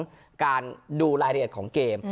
เป็นหลักก็คือเรื่องของการดูรายละเอียดของเกม